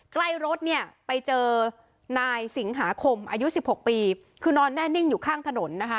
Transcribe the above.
ใกล้รถไปเจอนายศิงขาคมอายุ๑๖ปีคือนอนแน่นิ่งอยู่ข้างถนนนะคะ